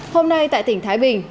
hôm nay tại tỉnh thái bình